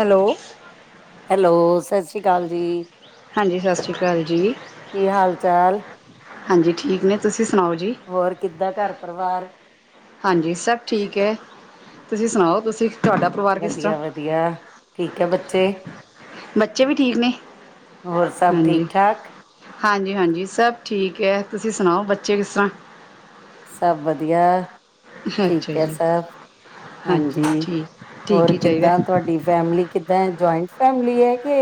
Hello hello, ਸਤਿ ਸ਼੍ਰੀ ਅਕਾਲ ਜੀ। ਹਾਂਜੀ, ਸਤਿ ਸ਼੍ਰੀ ਅਕਾਲ ਜੀ। ਕੀ ਹਾਲ ਚਾਲ? ਹਾਂਜੀ ਠੀਕ ਨੇ ਤੁਸੀਂ ਸ ਹੋਰ ਕਿੱਦਾਂ ਘਰ ਪਰਿਵਾਰ? ਹਾਂਜੀ, ਸਭ ਠੀਕ ਐ। ਤੁਸੀਂ ਸੁਣਾਓ, ਤੁਸੀਂ, ਤੁਹਾਡਾ ਪਰਿਵਾਰ ਕਿਸ ਤਰ੍ਹਾਂ? ਵਧੀਆ ਵਧੀਆ। ਠੀਕ ਹੈ ਬੱਚੇ? ਬੱਚ ਬੱਚੇ ਵੀ ਠੀਕ ਨੇ ਹੋਰ ਸਭ ਹਾਂਜੀ ਠੀਕ ਠਾਕ? ਹਾਂਜੀ ਹਾਂਜੀ, ਸਭ ਠੀਕ ਐ, ਤੁਸੀਂ ਸੁਣਾਓ ਬੱਚੇ ਕਿਸ ਤਰ੍ਹਾਂ? ਸਭ ਵਧੀਆ ਅੱਛਾ ਠੀਕ ਐ ਜੀ ਸਬ, ਹਾਂਜੀ, ਠੀਕ ਠੀਕ ਹੋਰ ਹੀ ਚਾਹੀਦਾ ਕਿੱਦਾਂ ਤੁਹਾਡੀ ਫੈਮਿਲੀ ਕਿੱਦਾਂ ਹੈ? ਜੁਆਇੰਟ ਫੈਮਲੀ ਹੈ ਕਿ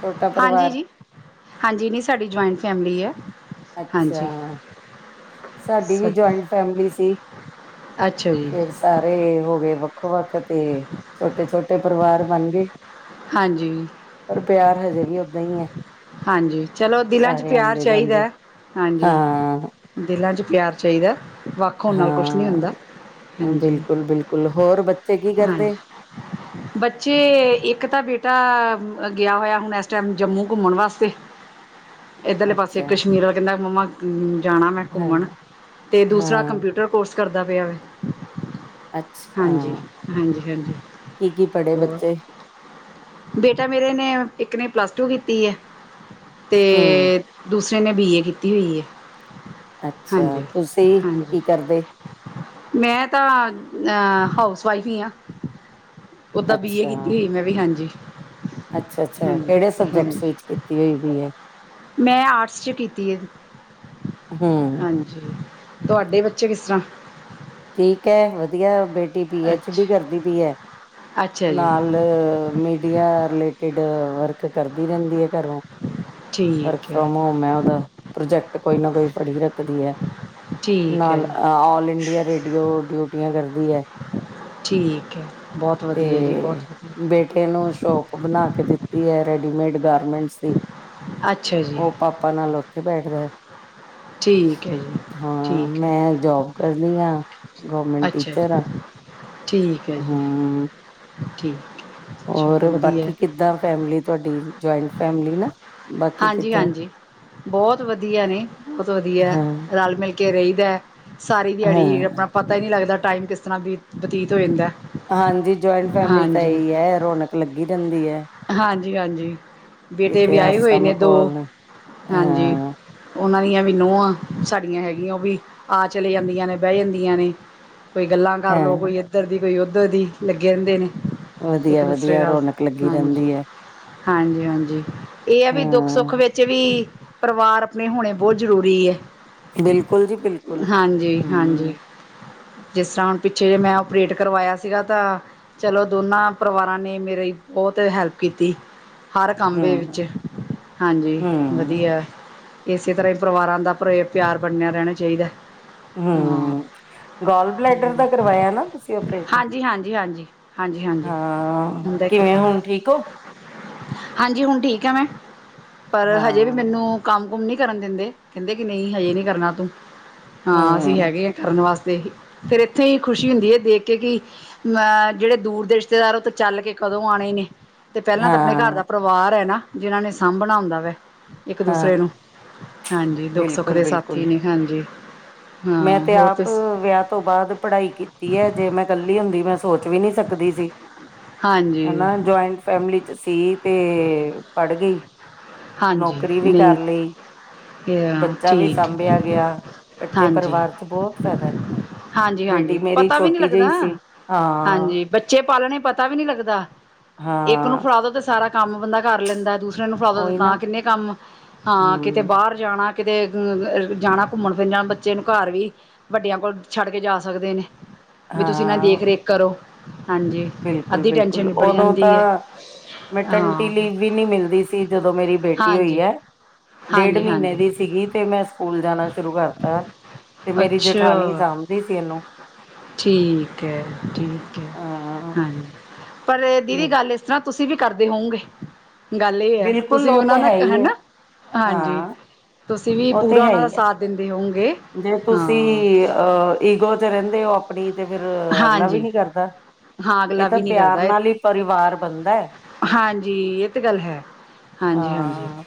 ਛੋਟਾ ਹਾਂਜੀ ਪਰਿਵਾਰ? ਜੀ, ਹਾਂਜੀ ਨ੍ਹੀ ਸਾਡੀ ਜੁਆਇੰਟ ਫੈਮਲੀ ਐ। ਅੱਛਾ, ਸਾਡੀ ਸਾ ਵੀ ਜੁਆਇੰਟ ਫੈਮਲੀ ਸੀ। ਅੱਛਾ ਜੀ ਫੇਰ ਸਾਰੇ ਹੋ ਗਏ ਵੱ ਵੱਖੋ-ਵੱਖ ਤੇ ਛੋਟੇ-ਛੋਟੇ ਪਰਿਵਾਰ ਬਣ ਗਏ। ਹਾਂਜੀ। ਦਈਂ ਐਂ। ਹਾਂਜੀ, ਚਲੋ ਦਿਲਾਂ ਚ ਪਿਆਰ ਜਾਂਦੇ। ਚਾਈਦਾ। ਹਾਂਜੀ ਹਾਂ ਦਿ ਦਿਲਾਂ ਚ ਪਿਆਰ ਚਾਈਦਾ। ਵੱਖ ਹੋਣ ਨਾਲ ਕੁਝ ਨ੍ਹੀਂ ਹਾਂ। ਹੁੰਦਾ, ਹਾਂਜੀ, ਬਿਲਕੁਲ ਬਿਲਕੁਲ ਹੋਰ ਬੱਚੇ ਕੀ ਹਾਂਜੀ, ਕਰਦੇ ਬੱਚੇ ਇੱਕ ਤਾਂ ਬੇਟਾ ਗਿਆ ਹੋਇਆ ਹੁਣ ਇਸ ਟਾਈਮ ਜੰਮੂ ਘੁੰਮਣ ਵਾਸਤੇ ਤੇ ਇੱਧਰਲੇ ਪਾਸੇ ਅੱਛਾ ਕਸ਼ਮੀਰਾ ਕਹਿੰਦਾ ਮੰਮਾ ਹੂੰ ਜਾਣਾ ਮੈਂ ਹਾਂ ਘੁੰਮਣ ਤੇ ਦੂਸਰਾ ਹਾਂ ਕੰਪਿਊਟਰ ਕੋਰਸ ਕਰਦਾ ਪਿਆ ਵੈ। ਅੱਛਾ ਹਾਂਜੀ, ਹਾਂ ਹਾਂਜੀ, ਹਾਂਜੀ। ਕੀ ਕੀ ਪੜ੍ਹੇ ਹੋਰ, ਬੱਚੇ ਬੇਟਾ ਮੇਰੇ ਨੇ ਇੱਕ ਨੇ ਪਲੱਸ ਟੂ ਕੀਤੀ ਹੈ। [inaudible] ਤੇ ਹਮ ਦੂਸ ਇੰਨੇ ਬੀ ਏ ਕੀਤੀ ਹੋਈ ਹੈ। ਅੱਛਾ, ਹਾਂਜੀ ਤੁਸੀਂ ਹਾਂਜੀ ਕੀ ਕਰਦੇ? ਮੈਂ ਤਾਂ ਆ ਹਾਊਸ ਵਾਈਫ ਹੀ ਹਾਂ। ਓਦਾਂ ਬੀਏ ਅੱਛਾ ਕੀਤੀ ਹੋਈ ਮੈਂ ਵੀ, ਹਾਂਜੀ। ਅੱਛਾ ਅੱਛਾ ਹਾਂਜੀ ਕਿਹੜੇ ਹਾਂਜੀ ਸਬਜੈਕਟਸ ਵਿੱਚ ਕੀਤ ਐ ਹੂਈ ਹੈ ਮੈਂ, ਆਰਟਸ ਚ ਕੀਤੀ ਐ ਹਮ ਹਾਂਜੀ। ਤੁਹਾਡੇ ਬੱਚੇ ਕਿਸ ਤਰ੍ਹਾਂ? ਠੀਕ ਐ ਵਧੀਆ ਬੇਟਾ। ਟੀ ਬੀ- ਅਚ ਡੀ ਅੱਛਾ ਕਰਦੀ ਪਈ ਐ। ਅੱਛਾ ਜੀ ਨਾਲ ਮੀਡੀਆ ਰਿਲੇਟਿਡ ਵਰਕ ਕਰਦੀ ਰਹਿੰਦੀ ਹੈ ਘਰੋਂ ਵਰਕ ਠੀਕ ਹੈ ਫਰੋਮ ਹੋਮ ਹੈ ਉਹਦਾ ਪ੍ਰੋਜੈਕ ਕੋਈ ਨਾ ਕੋਈ ਫੜੀ ਰੱਖਦੀ ਹੈ। ਠੀਕ ਹੈ ਨਾਲ ਜੀ ਆਲ ਇੰਡੀਆ ਰੇਡੀ ਹੋਰ ਡਿਊਟੀਆਂ ਕਰਦੀ ਹੈ। ਠੀਕ ਹੈ। ਬਹੁਤ ਵਧੀਆ ਜੀ, ਬਹੁਤ ਵਧੀਆ। ਓ ਬਣਾ ਕੇ ਦਿੱਤੀ ਐ ਰੈਡੀਮੇਡ ਗਾਰਮੈਂਟਸ ਦੀ। ਅੱਛਾ ਜੀ ਉਹ ਪਾਪਾ ਨਾਲ ਓਥੇ ਬੈਠ ਠੀਕ [unintelligible] ਹੈ ਜੀ ਹਾਂ ਠੀਕ ਹੈ ਮੈਂ ਜੀ ਜੋਬ ਕਰਨੀ ਆ। ਗੌਰਮੈਂਟ ਅੱਛਾ ਟੀਚਰ ਜੀ ਆ। [unintelligible] ਠੀਕ ਐ ਜੀ। ਹਮ ਠੀਕ [unintelligible] ਚਲੋ ਹੋਰ ਵਧੀਆ ਬਾਕੀ ਕਿੱਦਾਂ ਫੈਮਲੀ ਤੁਹਾਡੀ। ਜੋਆਂਇੰਟ ਫੈਮਲੀ ਨਾ। ਬਾਕੀ ਕਿੱਦਾਂ ਹਾਂਜੀ-ਹਾਂਜੀ, ਬੌਹੁਤ ਵਧੀਆ ਨੇ! ਬੌਹੁਤ ਵਧੀਆ ਹਾਂ ਰੱਲ ਮਿਲ ਕੇ ਕੇ ਰਹੀਦਾ ਸਾਰੀ ਹਾਂ ਦਿਹਾੜੀ ਹੀ ਆਪਣਾ ਪਤਾ ਹੀ ਨਹੀਂ ਲੱਗਦਾ ਟਾਈਮ ਕਿਸ ਤਰ੍ਹਾਂ ਬ ਬਤੀਤ ਹੋ ਜਾਂਦਾ ਐ। ਹਾਂਜੀ ਜੋਆਇੰਟ ਫੈਮਲੀ ਸਹੀ ਐ! ਰੌਣਕ ਲੱਗੀ ਜਾਂਦੀ ਹੈ। ਹਾਂਜੀ-ਹਾਂਜੀ ਬੇਟੇ ਕਿਤੇ ਵਿਆਹੇ ਹਾਸਾ ਹੋਏ ਨੇ ਦੋ ਮਖੌਲ ਨੇ। ਹਾਂਜੀ। ਹਾਂ ਉਹਨਾਂ ਦੀਆਂ ਵੀ ਨੂੌਂ ਆ। ਸਾਡੀਆਂ ਹੈਗੀਆਂ ਉਹ ਵੀ ਆ ਚਲੇ ਜਾਂਦੀਆਂ ਨੇ ਬਹਿ ਜਾਂਦੀਆਂ ਨੇ ਕੋਈ ਗੱਲਾਂ ਕਰਲੋ, ਕੋਈ ਹਾਂ ਐਧਰ ਦੀ ਕੋਈ [unintelligible] ਦੋ ਦੀਣ ਲੱਗੇ ਹੁੰਦੇ ਨੇ ਇੱਕ ਵਧੀਆ ਦੂਸਰੇ ਵਧੀਆ ਨਾਲ ਰੌਣਕ ਲੱਗੀ ਹਾਂਜੀ ਜਾਂਦੀ ਹੈ। ਹਾਂਜੀ, ਹਾਂਜੀ ਇਹ ਆ ਵੀ ਦੁੱਖ ਹਾਂ ਸੁੱਖ ਵਿੱਚ ਵੀ ਪਰਿਵਾਰ ਆਪਣੇ ਹੋਣੇ ਬਹੁਤ ਜ਼ਰੂਰੀ ਹੈ। ਬਿਲਕੁਲ ਜੀ ਬਿਲਕੁਲ ਹਾਂਜੀ ਹਮ ਹਾਂਜੀ ਜਿਸ ਤਰ੍ਹਾਂ ਹੁਣ ਪਿੱਛੇ ਜੇ ਮੈਂ ਓਪਰੇਟ ਕਰਵਾਇਆ ਸੀਗਾ, ਤਾਂ ਚਲੋ ਦੋਨਾਂ ਪਰਿਵਾਰਾਂ ਨੇ ਮੇਰੇ ਬਹੁਤ ਹੈਲਪ ਕੀਤੀ। ਹਰ ਕੰਮ ਦੇ ਹੂੰ, ਵਿੱਚ ਹਾਂਜੀ ਹੂੰ, ਵਧੀਆ ਏ ਇਸੇ ਤਰ੍ਹਾਂ ਹੀ ਪਰਿਵਾਰਾਂ ਦਾ ਪਰ ਪਿਆਰ ਬਣਿਆ ਰਹਿਣਾ ਚਾਹੀਦਾ। ਹਾਂ ਹਮ, ਗੋਲ ਬਲੈਡਰ ਦਾ ਕਰਵਾਇਆ ਨਾ ਤੁਸੀਂ ਓਪਰੇਟ ਹਾਂਜੀ ਹਾਂਜੀ ਹਾਂਜੀ ਹਾਂਜੀ ਹਾਂਜੀ ਹਾਂ ਹੁੰਦਾ ਹੀ ਕਿਵੇਂ ਹੁਣ ਕਰਵਾਇਆ ਠੀਕ ਹੋ। ਹਾਂਜੀ ਹੁਣ ਠੀਕ ਆ ਮੈਂ ਪਰ ਹਜੇ ਵੀ ਹਾਂ, ਮੈਨੂੰ ਕੰਮ ਕੁਮ ਨੀ ਕਰਨ ਦਿੰਦੇ ਕਹਿੰਦੇ ਕਿ ਨਹੀਂ ਹਜੇ ਨਹੀ ਕਰਨਾ ਤੂੰ ਹਾਂ ਅਸੀਂ ਹੂੰ, ਹੈਗੇ ਹ ਕਰਨ ਵਾਸਤੇ ਅਤੇ ਫਿਰ ਇੱਥੇ ਹੀ ਖੁਸ਼ੀ ਹੁੰਦੀ ਹੈ, ਦੇਖ ਕੇ ਕਿ ਮ ਜਿਹੜੇ ਦੂਰ ਦੇ ਰਿਸ਼ਤੇਦਾਰ ਉਹ ਤੋਂ ਚੱਲ ਕੇ ਕਦੋਂ ਆਉਣੇ ਨੇ ਤੇ ਪਹਿਲਾਂ ਤਾਂ ਆਪਣੇ ਘਰ ਹਾਂ, ਦਾ ਪਰਿਵਾਰ ਹੈ ਨਾ ਜਿਨਾਂ ਨੇ ਸਾਂਭਣਾ ਹੁੰਂਦਾ ਵੇ ਇੱਕ ਹਾਂ ਦੂਸਰੇ ਨੂੰ ਹਾਂਜੀ ਦੁੱਖ ਸੁੱਖ ਬਿਲਕੁਲ, ਦੇ ਸਾਥੀ ਬਿਲਕੁਲ ਨੇ ਹਾਂਜੀ ਮੈਂ ਹਾਂ ਤੇ ਹੋਰ ਆਪ ਤੁਸ ਵਿਆਹ ਤੋਂ ਬਾਅਦ ਪੜ੍ਹਾਈ ਕੀਤੀ ਹੈ, ਜੇ ਮੈਂ ਇਕੱਲੀ ਹੁੰਦੀ ਮੈਂ ਸੋਚ ਵੀ ਨਹੀਂ ਸਕਦੀ ਸੀ। ਹਾਂਜੀ ਹਨਾ ਜੁਆਇੰਟ ਫੈਮਲੀ ਚ ਸੀ ਤੇ ਪੜ੍ਹ ਗਈ। ਹਾਂਜੀ ਨੌਕਰੀ ਵੀ ਨਹੀਂ ਕਰ ਲਈ ਬੱਚਾ ਵੀ ਠੀਕ ਸਾਂਭਿਆ ਗਿਆ। ਹਾਂਜੀ, ਪਰਿਵਾਰ ਚ ਬਹੁਤ ਫਾਇਦਾ ਬੇਟੀ ਹਾਂਜੀ ਮੇਰੀ ਪਤਾ ਵੀ ਨੀ ਛੋਟੀ ਲੱਗਦਾ ਜਿਹੀ ਸੀ ਹਾਂ, ਹਾਂਜੀ ਬੱਚੇ ਪਾਲਣੇ ਪਤਾ ਵੀ ਨੀ ਲੱਗਦਾ ਇੱਕ ਨੂੰ ਹਾਂ ਫੜਾ ਦੋ ਤੇ ਸਾਰਾ ਕੰਮ ਬੰਦਾ ਕਰ ਲੈਂਦਾ ਦੂਸ ਮੈਨੂੰ ਫੜਾ ਦੋ ਜੀ। ਉਹੀ ਨਾ ਤਾਂ ਕਿੰਨੇ ਕੰਮ ਹਾਂ ਕਿਤੇ ਹਮ ਬਾਹਰ ਜਾਣਾ ਕਿਤੇ ਅ ਜਾਣਾ ਘੁੰਮਣ ਫਿਰਨ ਜਾ ਬੱਚੇ ਨੂੰ ਘਰ ਵੀ ਵੱਡਿਆਂ ਕੋਲ ਛੱਡ ਕੇ ਜਾ ਸਕਦੇ ਨੇ ਵੀ ਤੁਸੀਂ ਇਹਨਾਂ ਦੀ ਹਾਂ ਦੇਖ ਰੇਖ ਕਰੋ ਹਾਂ ਬਿਲਕੁਲ ਬਿਲਕੁਲ ਉਦੋਂ ਤਾਂ ਹੈ ਮੈਟਨਟੀ ਹਾਂ ਲੀਵ ਵੀ ਨਹੀਂੀ ਮਿਲਦੀ ਸੀ ਜਦੋਂ ਮੇਰੀ ਬੇਟੀ ਹੋਈ ਹਾਂਜੀ ਹੈ ਡੇਢ ਹਾਂਜੀ ਮਹੀਨੇ ਹਾਂਜੀ ਦੀ ਸੀਗੀ ਤੇ ਮੈਂ ਸਕੂਲ ਜਾਣਾ ਸ਼ੁਰੂ ਕਰਤਾ ਤੇ ਮੇਰੀ ਜਠਾਨੀ ਅੱਛਾ ਸਾਂਭਦੀ ਸੀ ਇਹਨੂੰ ਠੀਕ ਹੈ ਠੀਕ ਹੈ ਹਮ ਹਾਂਜੀ ਪਰ ਦੀਦੀ ਗੱਲ ਇਸ ਤਰ੍ਹਾਂ ਤੁਸੀਂ ਅਸੀਂ ਵੀ ਕਰਦੇ ਹੋਉਗੇ ਗੱਲ ਇਹ ਹੈ ਬਿਲਕੁਲ ਤੁਸੀਂ ਵੀ ਉਹ ਤਾਂ ਉਹਨਾਂ ਹੈ ਨਾਲ ਹੀ ਹੈ ਹਨਾ ਹਾਂਜੀ ਹਾਂ ਤੁਸੀਂ ਵੀ ਉਹ ਪੂਰਾ ਤੇ ਹੈ ਉਹਨਾਂ ਦਾ ਹੀ ਹੈ ਸਾਥ ਦਿੰਦੇ ਹੋਵੋਗੇ ਜੇ ਤੁਸੀਂ ਹਾਂ ਅਹ ਈਗੋ ਚ ਰਹਿੰਦੇ ਹੋ ਆਪਣੀ ਤੇ ਫਿਰ ਅਗਲਾ ਵੀ ਹਾਂਜੀ ਨੀ ਕਰਦਾ ਹਾਂ ਇਹ ਅਗਲਾ ਤਾਂ ਵੀ ਨਹੀਂ ਪਿਆਰ ਕਰਦਾ ਇਹ ਨਾਲ ਹੀ ਪਰਿਵਾਰ ਬਣਦਾ ਹੈ ਜੀ ਇਹ ਤੇ ਗੱਲ ਹੈ ਹਾਂਜੀ ਹਾਂਜੀ ਹ ਹਾਂ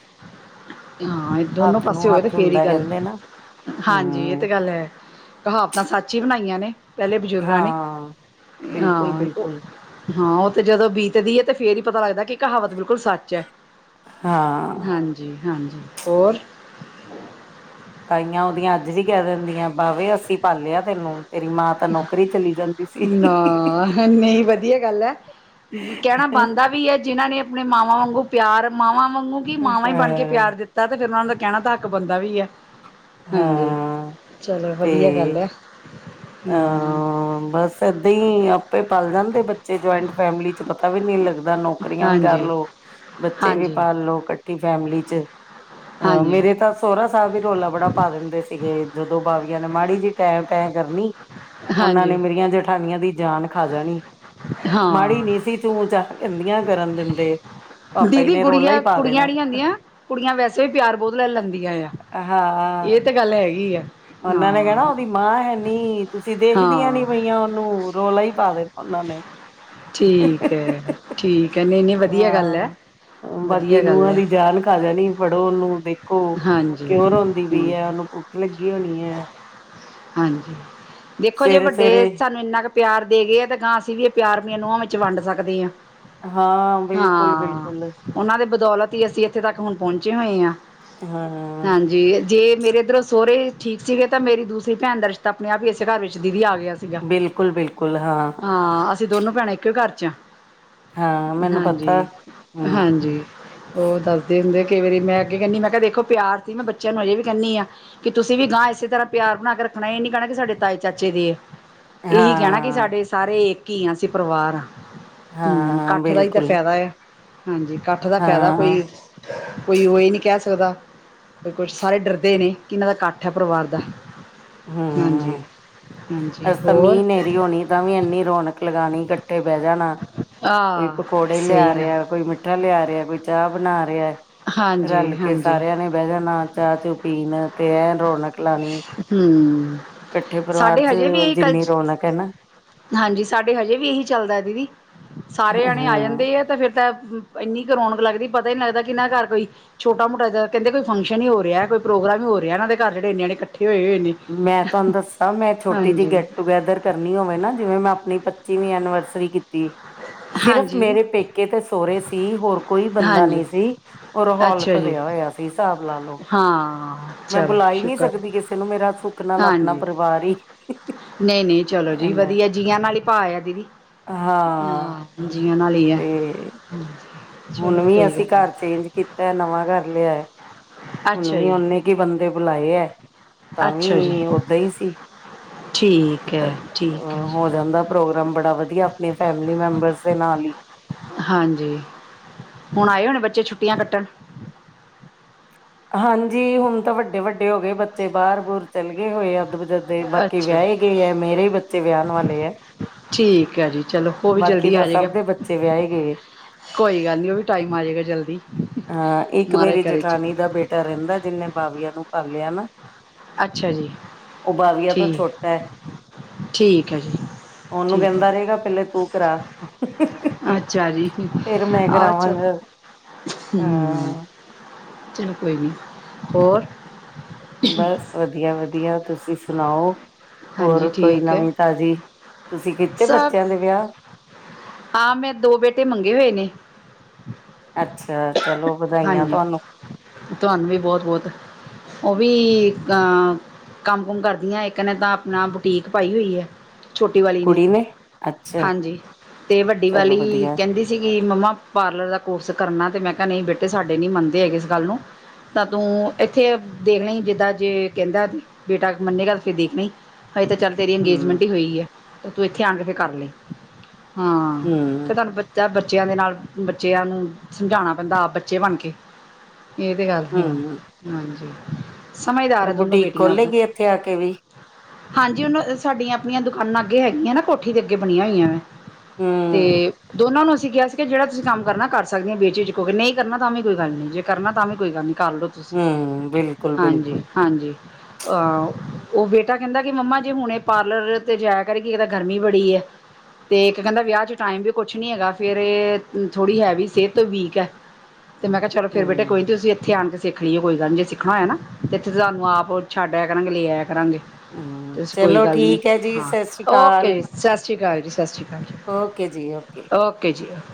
ਹਾਂ ਇਹ ਦੋਨੋ ਹੱਥ ਪਾਸੇ ਨੂੰ ਹੋਏ ਤੇ ਹੱਥ ਫੇਰ ਹੀ ਹੁੰਦਾ ਗੱਲ ਕਹਿੰਦੇ ਨਾ ਹਾਂਜੀ ਇਹ ਹਮ ਤੇ ਗੱਲ ਹੈ ਕਹਾਵਤਾਂ ਸੱਚ ਹੀ ਬਣਾਈਆਂ ਨੇ ਪਹਿੰ ਬਜ਼ੁਰਗਾਂ ਨੇ ਹਾਂ ਹਾਂ ਬਿਲਕੁਲ-ਬਿਲਕੁਲ ਹਾਂ ਉਹ ਤੇ ਜਦੋਂ ਬੀਤਦੀ ਹੈ ਤੇ ਫੇਰ ਵੀ ਪਤਾ ਲੱਗਦਾ ਕਹਾਵਤ ਬਿਲਕੁਲ ਸੱਚ ਹੈ ਹਾਂ। ਹਾਂਜੀ ਹਾਂਜੀ ਹੋਰ ਤਾਈਆਂ ਉਹਦੀਆਂ ਅੱਜ ਵੀ ਕਹਿ ਦਿੰਦੇ ਦੀਆਂ ਬਾਾਹਵੇ ਅਸੀਂ ਪਾਲਿਆ ਤੈਨੂੰ ਪਹਿਰੀ ਮਾਂ ਤਾਂ ਨੌਕਰੀ ਚਲੀ ਜ ਜਾਦੀ ਨਾ ਨਹੀਂ ਵਧੀਆ ਗੱਲ ਹੈ ਕਹਿਣਾ ਬਣਦਾ ਵੀ ਹੈ ਜਿਹਨਾਂ ਨੇ ਆਪਣੇ ਮਾਵਾਂ ਵਾਂਗੂ ਪਿਆਰ ਮਾਵਾਂ ਵਗ ਕਿ ਮਾਵਾਂ ਹੀ ਬਣ ਕੇ ਹਾਂ, ਪਿਆਰ ਦਿੱਤਾ ਫਿਰਰ ਉਹਨਾਂ ਦਾ ਕਹਿਣਾ ਤੱਕ ਬੰਦਾ ਵੀ ਹੈ ਹਾਂਜੀ ਹਾਂ ਚਲੋ ਤੇ ਵਧੀਆ ਗੱਲ ਹੈ ਹਮ ਬ ਏਦਾਂ ਹੀ ਆਪੇ ਪਲ ਜਾਂਦੇ ਬੱਚੇ ਜੁਆਇੰਟ ਫੈਮਿਲੀ ਚ ਪਤਾ ਵੀ ਨੀ ਲੱਗਦਾ ਨੌਕਰੀਆਂ ਵੀ ਹਾਂਜੀ ਕਰਲੋ ਬੱਚੇ ਵੀ ਹਾਂਜੀ ਪਾਲ ਲੋੋ ਫੈਮਿਲੀ ਚ ਅਹ ਹਾਂਜੀ ਮੇਰੇ ਤਾਂ ਸੋਹਰਆ ਸਾਹਿਬ ਵੀ ਰੋਲਾ ਬੜਾ ਪਾ ਦਿੰਦੇ ਸੀਗੇ ਜਦੋਂ ਬਵੀੀਆਂ ਮਾੜੀ ਜੀ ਟੈਮ ਪੈ ਕਰਨੀ ਹਾਂਜੀ ਪਠਾਨੀਆਂ ਦੀ ਜਾਨ ਖਾ ਜਾਣੀ ਹਾਂ ਮਾੜੀ ਨੀ ਸੀ ਚੂੰ ਚਾਹ ਕਰਨ ਦਿੰਦੇ ਪਾਪਾ ਜੀ ਦੀਦੀ ਨੇ ਰੌਲਾ ਹੀ ਗੁੜੀਆਂ ਪਾ ਕੁੜੀਆਂ ਦੇਣਾ ਨਹੀਂੀ ਹੁੰਦੀਆਂ ਕੁੜੀਆਂ ਵੈਸੇ ਵੀ ਪਿਆਰ ਬਹੁਤ ਲੈ ਲੈਂਦੀਆਂ ਆ ਹਾਂ ਇਹ ਤੇ ਗੱਲ ਹੈਗੀ ਆ ਉਹਨਾਂ ਨੇ ਹਾਂ ਕਹਿਣਾ ਉਹਦੀ ਮਾਂ ਹੈਨੀ ਤੁਸੀਂ ਦੇਖਦੀਆਂ ਨੀ ਹਾਂ। ਨੂੰ ਰੌਲਾ ਹੀ ਪਾ ਦੇ ਉਹਨਾਂ ਨੇ ਠੀਕ ਹੈ ਠੀਕ ਹੈ ਨਹੀਂ ਨਹੀਂ ਵਧੀਆ ਗੱਲ ਹੈ ਹਾਂ ਬਾਕੀ ਵਧੀਆ ਗੱਲ ਨੂੰਹਾਂ ਹੈ ਘ ਹਾਂਜੀ, ਕਿਉਰ ਹੋਂਦੀ ਵੀਈ ਹਮ ਹੈ ਉਹਨੂੰ ਭੁੱਖ ਲੱਗੀ ਕੀ ਹੋਣੀ ਹੈ [unintelligible] ਦੇਖੋ ਜੇ ਸਵੇਰੇ ਵੱਡੇ ਸਵੇਰੇ ਸਾਨੂੰ ਇੰਨਾ ਕੁ ਪਿਆਰ ਦੇ ਗਏ ਆ ਤਾਂ ਗਾਂ ਅਸੀਂ ਵੀ ਇਹ ਪਿਆਰ ਵੀੀਆਂ ਨੂੰਹਾਂ ਵਿੱਚ ਵੰਡ ਸਕਦੇ ਹਾਂ ਹਾਂ ਬਿਲਕੁਲ ਹਾਂ ਬਿਲਕੁਲ ਉਹਨਾਂ ਦੇ ਬਦੌਲਤ ਅਸੀਂ ਇੱਥੇ ਤੱਕ ਹੁਣ ਪਹੁੰਚੇ ਹੋਏ ਹਾਂ ਹਾਂ ਹਾਂਜੀ ਜੇ ਮੇਰੇ ਇੱਰੋਂ ਸਹੁਰਰੇ ਠੀਕ ਸੀਗੇ ਤਾਂ ਮੇਰੀ ਦੂਸਰੇ ਭੈਣ ਦਾ ਰਿਸ਼ਤਾ ਆਪਣੇ ਆਪ ਹੀ ਇਸੇ ਘਰ ਵਿੱਚ ਦੀਦੀ ਆ ਗ ਗਿਆ ਸੀਗਾ ਬਿਲਕੁਲ ਬਿਲਕੁਲ ਹਾਂ ਹਾਂ ਅਸੀਂ ਦੋਨੋ ਭੈਣਾਂ ਇੱਕੋ ਕਰ ੱਚਾ ਹਾਂ ਮੈਨੂੰ ਪਤਾ ਹਾਂਜੀ ਹਮ ਹਾਂਜੀ ਉਹ ਦੱਸਦੇ ਹੁੰਦੇ ਕਈ ਵਾਰੀ ਮੈਂ ਅੱਗੇ ਕਹਿੰਦੀ ਮੈਂ ਕਿਹਾ ਦੇਖੋ ਪਿਆਰ ਸੀ ਮੈਂ ਬੱਚਿਆਂ ਨੂੰ ਅਜੇ ਵੀ ਕਹਿੰਦੀ ਹਾਂ ਕਿ ਤੁਸੀਂ ਵੀ ਗਾਂ ਇਸੇ ਤਰ੍ਹਾਂ ਪਿਆਰ ਬਣਾ ਕੇ ਰੱਖਣਾ ਇਹ ਨੀ ਕਹਿਣਾ ਕਿ ਸਾਡੇਾਏ ਚਾਚੇ ਦੇ ਆ ਇਹੀ ਕਹਿਣਾ ਕਿ ਹਾਂ ਸਾਡੇ ਸਾਰੇ ਘੀਆਂ ਸੀ ਪਰਿਵਾਰ ਹਮ ਹਾਂ ਕੱਠ ਦਾ ਹੀ ਤਾਂ ਬਿਲਕੁਲ ਫਾਇਦਾ ਆ ਹਾਂਜੀ ਇਕੱਠ ਦਾ ਕਾਇਦਾ ਹਾਂ ਕੋਈ ਕੋਈ ਉਹ ਇਹ ਨਹੀਂ ਕਹਿ ਸਕਦਾ ਕੁਛ ਸਾਰੇ ਡਰਦੇ ਨੇ ਕਿਨਾਂ ਦਾ ਇਕੱਠ ਹੈ ਪਰਿਵਾਰ ਦਾ ਹਾਂਜੀ। ਹਮ ਹਾਂਜੀ ਅਸ ਤਾਂ ਹੋਰ ਮੀਂਹ ਹਨੇਰੀ ਹੋਣੀ ਤਾਂ ਵੀ ਇੰਨੀ ਰੌਣਕ ਲਗਾਉਣੀ ੇ ਬਹਿ ਜਾਣਾ ਕੋਈ ਆਹ ਪਕੌੜੇ ਸਹੀ ਲਿਆ ਗੱਲ ਰਿਹਾ ਕੋਈ ਮਿੱਠਾ ਲਿਆ ਰਿਹਾ ਰਿ ਕੋਈ ਚਾਹ ਬਣਾ ਰਿਹਾ ਹਾਂਜੀ, ਰਲ ਕੇ ਹਾਂਜੀ। ਸਾਰਿਆਂ ਨੇ ਬਹਿ ਜਾਣਾ ਚਾਹ ਚੂ ਪੀਣ ਤੇ ਐਨ ਰੌਣਕ ਲਾਣੀ ਹਮ ਇਕੱਠੇ ਪਰਿਵਾਰ ਸਾਡੇ ਚ ਹਜੇ ਵੀ ਇਹੀ ਜਿੰਨੀ ਕਲਚ ਰੌਣਕ ਹੈ ਨਾ ਹਾਂਜੀ ਸਾਡੇ ਹਜੇ ਵੀ ਇਹੀ ਚੱਲਦਾ ਦੀਦੀ ਸਾਰੇ ਜਾਣੇ ਆ ਹਾਂ ਜਾਂਦੇ ਆ ਤੇ ਫਿਰ ਤਾਂ ਇੰਨੀ ਰੌਕ ਲੱਗ ਪਤਾ ਨ ਲੱਗਦਾ ਕਿ ਇਹਨਾਂ ਘਰ ਕੋਈਛੋਟਾ ਮੋਟਾ ਜ ਕਹਿੰਦੇ ਕੋਈ ਫੰਕਸ਼ਨ ਹੀ ਹੋ ਰਿਹਾ ਕੋਈ ਪ੍ਰੋਗਰਾ ਹੀ ਹੋ ਰਿਹਾ ਇਹਨਾਂ ਘ ਜਿਹੜੇ ਇੰਨੇਨਣੇ ਮੈਂ ਤੁਹਾਨੂੰ ਦੱਸਾਂ ਮੈਂ ਛੋਟੀ ਜਿਹੀ ਹਾਂਜੀ ਗੈਟ ਟੂਗੇੈਦਰ ਕਰਨੀ ਹੋਵੇ ਨਾ ਜਿਵੇਂ ਮੈਂ ਆਪਣੀ ਪੱਚੀਵੀ ਧੰਨਵਾਦ ਕੀਤੀ ਸਿਰਫ਼ ਹਾਂਜੀ ਮੇਰੇ ਪੇਕੇ ਤੇ ਸੋਹੁਰਰੇ ਸੀ ਹੋਰ ਕੋਈ ਬੰਦਾ ਹਾਂਜੀ ਨਹੀਂ ਸੀ ਉਹ ਰਾਹੌਲ ਅੱਛਾ ਜੀ ਭਰਿਆ ਹੋਇਆ ਸੀ ਹਿਸਾਬ ਲਾ ਲਓ ਹਾਂ ਮੈਂ ਚਲੋ ਬੁਲਾਈ ਨਹੀਂੀ ਸ਼ੁਕਰ ਹੈ। ਸਕਦੀ ਕਿਸੇ ਨੂੰ ਮੇਰਾ ਸੁ ਹਾਂਜੀ ਨਹੀਂ ਨਹੀਂ ਚਲੋ ਜੀ ਇਨਾ ਵਧੀਆ ਜੀਆਂ ਨਾਲ ਹੀ ਭਾ ਆ ਦੀਦੀ ਹਾਂ ਜੀਆਂ ਨਾਲ ਹੀ ਆ ਤੇ ਹੁਣ ਵੀ ਅਸੀਂ ਘਰ ਚੇਂਜ ਕੀਤਾ ਨਵਾਂ ਘਰ ਲਿਆਇ ਹੁਣ ਅੱਛਾ ਵੀ ਜੀ ਓਨੇ ਕੀ ਬੰਦੇ ਬੁਲਾਏ ਹੈ ਤਾਂ ਵੀ ਅੱਛਾ ਜੀ ਓਦਾਂ ਹੀ ਸੀ ਠੀਕ ਹੈ ਠੀਕ ਹੈ ਜੀ ਕੰਮ ਬੜਾ ਵਧੀਆ ਆਪਣੀ ਫੈਮਿਲੀ ਮੈਂਬਰਸ ਦੇ ਨਾਲ ਹੀ ਹਾਂਜੀ ਹੁਣ ਆਏ ਹੋਣੇ ਬੱਚੇ ਛੁੱਟੀਆਂ ਕੱਟਣ ਹਾਂਜੀ ਹੁਣ ਤਾਂ ਵੱਡੇ ਵੱਡੇ ਹੋ ਗਏ ਬੱਚੇ ਬਾਹਰ ਬਰ ਚਲੇ ਗਏ ਹੋਏ ਅੱਧ ਜਦ ਬਾਕੀ ਅੱਛਾ ਵਿਆਹ ਹੀ ਗਏ ਹੈ ਮੇਰੇ ਹੀ ਬੱਚੇ ਵਿਆਹਣ ਵਾਲੇ ਹੈ ਠੀਕ ਹੈ ਜੀ ਚਲੋ ਉਹ ਵੀ ਬਾਕੀ ਜਲਦੀ ਤਾਂ ਆ ਜਾਏਗਾ ਸਭ ਦੇ ਬੱਚੇ ਵਿਆਹੇ ਗਏ ਕੋਈ ਗੱਲ ਨਹੀਂ ਉਹ ਵੀ ਟਾਈਮ ਆ ਜਾਏਗਾ ਜਲਦੀ ਅਹ ਇੱਕ ਮਹਾਰਾਜ ਮੇਰੀ ਕਰੇ ਜਠਾਨੀ ਚਲੋ ਦਾ ਬੇਟਾ ਰਹਿੰਦਾ ਜਿਹਨੇ ਬਵੀਆ ਨੂੰ ਕਰ ਲਿਆ ਨਾ ਅੱਛਾ ਜੀ ਉਹ ਬਵੀਆ ਤੋਂ ਠੀਕ ਛੋਟ ਹੈ ਠੀਕ ਹੈ ਜੀ ਉਹਨੂੰ ਠੀਕ ਕਹਿੰਦਾ ਰਹੇਗਾ ਪਹਿਲੇ ਕਰਾ ਅਛਾ ਜੀ ਫੇਰ ਮੈਂ ਆ ਚਲੋ ਕਰਾਵਾਂਗਾ ਹਮ ਹਾਂ ਚਲੋ ਕੋਈ ਨਹੀਂੀ ਹੋਰ ਬਸ ਵਧੀਆ ਵਧੀਆ ਤੁਸੀਂ ਸੁਣਾਓ ਹੋਰ ਹਾਂਜੀ ਕੋਈ ਠੀਕ ਹੈ ਨਵੀਂ ਤਾਜ਼ੀ ਤੁਸੀਂ ਕਿਤੇ ਸਭ ਬੱਚਿਆਂ ਦੇ ਵਿਆਹ ਹਾਂ, ਮੈਂ ਦੋ ਬੇਟੇ ਮੰਗੇ ਹੋਏ ਨੇ। ਅੱਛਾ। ਚਲੋ ਵਧਾਈਆਂ ਹਾਂਜੀ, ਤੁਹਾਨੂੰ ਤੁਹਾਨੂੰ ਵੀ ਬਹੁਤ-ਬਹੁਤ। ਉਹ ਵੀ ਕੰਮ ਕੁਮ ਕਰਦੀਆਂ, ਇੱਕ ਨੇ ਤਾਂ ਆਪਣਾ ਬੁਟੀਕ ਪਾਈ ਹੋਈ ਹੈ। ਛੋਟੀ ਵਾਲੀ ਨੇ, ਕੁੜੀ ਅੱਛਾ ਹਾਂਜੀ ਤੇ ਵੱਡੀ ਚਲੋ ਵਾਲੀ ਵਧੀਆ ਕਹਿੰਦੀ ਸੀਗੀ- ਮੰਮਾ ਪਾਰਲਰ ਦਾ ਕੋਰਸ ਕਰਨਾ ਤੇ ਮੈਂ ਕਿਹਾ ਨਹੀਂ ਬੇਟਾ- ਅਤੇ ਸਾਡੇ ਨਹੀਂ ਮੰਨਦੇ ਹੈਗੇ ਇਸ ਗੱਲ ਨੂੰ, ਤਾਂ ਤੂੰ ਇੱਥੇ ਦੇਖ ਲਈ ਜਿੱਦਾਂ, ਜੇ ਕਹਿੰਦਾ ਬੇਟਾ ਮੰਨੇਗਾ ਤਾਂ ਫਿਰ ਦੇਖ ਲਈ। ਹਜੇ ਤਾਂ ਚੱਲ ਤੇਰੀ ਹੂੰ ਅੰਗੇਜਮੈਂਟ ਹੀ ਹੋਈ ਹੈ। ਤੇ ਤੂੰ ਇੱਥੇ ਆਣ ਕੇ ਫਿਰ ਕਰ ਲਈ। ਹਾਂ ਹੂੰ ਤੇ ਤੁਹਾਨੂੰ ਬਚਾ ਬੱਚਿਆਂ ਦੇ ਨਾਲ ਬੱਚਿਆਂ ਨੂੰ ਸਮਝਾਉਣਾ ਪੈਂਦਾ ਆਪ ਬੱਚੇ ਬਣ ਕੇ। ਇਹ ਤੇ ਗੱਲ ਹੈ, ਹੂੰ ਹਾਂਜੀ। ਸਮਝਦਾਰ ਫਿਰ ਹੈ ਦੋਨੋ ਬੁਟੀਕ ਬੇਟੀਆਂ ਓਦਾਂ ਖੋਲੇਗੀ, ਇੱਥੇ ਆ ਕੇ ਵੀ। ਹਾਂਜੀ, ਹੁਣ ਸਾਡੀਆਂ ਆਪਣੀਆਂ ਦੁਕਾਨਾਂ ਅੱਗੇ ਹੈਗੀਆਂ ਨਾ ਕੋਠੀ ਦੇ ਅੱਗੇ ਬਣੀਆਂ ਹੋਈਆਂ ਵਾਂ। ਤੇ ਹੂੰ ਦੋਨਾਂ ਨੂੰ ਅਸੀਂ- ਕਿਹਾ ਸੀਗਾ ਜਿਹੜਾ ਤੁਸੀਂ ਕੰਮ ਕਰਨਾ ਕਰ ਸਕਦੀਆ ਹੋ, ਬੇਝਿਜਕ ਹੋ ਕੇ। ਜੇ ਨਹੀਂ - ਕਰਨਾ ਤਾਂ ਵੀ ਕੋਈ ਗੱਲ ਨਹੀਂ, ਜੇ ਕਰਨਾ ਤਾਂ ਵੀ ਕੋਈ ਗੱਲ ਨੀ। ਕਰ ਲਓ ਤੁਸੀਂ, ਹੂੰ ਬਿਲਕੁਲ ਬਿਲਕੁਲ ਹਾਂਜੀ-ਹਾਂਜੀ, ਆ ਹੋ। ਉਹ ਬੇਟਾ ਕਹਿੰਦਾ ਕਿ ਮੰਮਾ ਜੇ ਹੁਣ ਇਹ ਪਾਰਲਰ 'ਤੇ ਜਾਇਆ ਕਰੇਗੀ। ਇੱਕ ਤਾਂ ਗਰਮੀ ਬੜੀ ਹੈ, ਅਤੇ ਇੱਕ ਕਹਿੰਦਾ ਵਿਆਹ 'ਚ ਟਾਈਮ ਵੀ ਕੁਛ ਨਹੀਂ ਹੈਗਾ, ਫਿਰ ਥੋੜ੍ਹੀ ਹੈ ਵੀ ਸਿਹਤ ਤੋਂ ਵੀਕ ਹੈ। ਤੇ ਮੈਂ ਕਿਹਾ ਚਲੋ ਫਿਰ ਬੇਟਾ ਹੂੰ ਕੋਈ ਨੀ, ਤੁਸੀਂ ਇੱਥੇ ਆਣ ਕੇ- ਸਿੱਖ ਲਈ ਏ, ਕੋਈ ਗੱਲੀ ਜੇ ਸਿੱਖਣਾ ਹੋਇਆ ਨਾ ਇੱਥੇ ਤੇ ਤੁਹਾਨੂੰ ਆਪ ਛੱਡਿਆ ਆਇਆ ਕਰਾਂਗੇ, ਲੈ ਆਇਆ ਕਰਾਂਗੇ। ਹੂੰ ਕੋਈ ਚਲੋ ਗੱਲ ਨੀ, ਠੀਕ ਹੈ ਜੀ ਸਤਿ ਸ਼੍ਰੀ ਓਕੇ ਅਕਾਲ ਜੀ। ਸਤਿ ਸ਼੍ਰੀ ਅਕਾਲ ਜੀ। ਸਤਿ ਸ਼੍ਰੀ ਅਕਾਲ ਜੀ। ਓਕੇ ਜੀ ਓਕੇ ਓਕੇ ਜੀ।